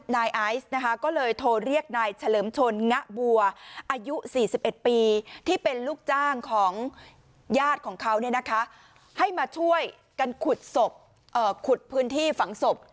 นายไอซ์นะคะก็เลยโทรเรียกนายเฉลิมชนงะบัวอายุ๔๑ปีที่เป็นลูกจ้างของญาติของเขาให้มาช่วยกันขุดพื้นที่ฝังศพ